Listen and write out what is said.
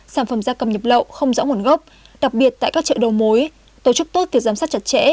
sản phẩm da cầm nhập lậu không rõ nguồn gốc đặc biệt tại các chợ đầu mối tổ chức tốt việc giám sát chặt chẽ